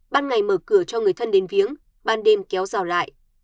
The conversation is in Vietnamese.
ban ngày mở cửa cho người thân đến viếng ban đêm kéo rào lại